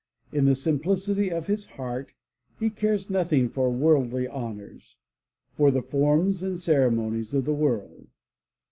In the simplicity of his heart he cares nothing for worldly honors, for the forms and ceremonies of the world.